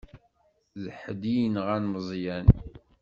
D ḥedd i yenɣan Meẓyan.